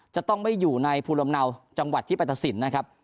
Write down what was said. จะต้องไม่อยู่ในภูมิลำเนาจังหวัดที่ไปตัดสินนะครับ